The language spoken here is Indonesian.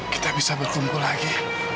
kita bisa berkumpul lagi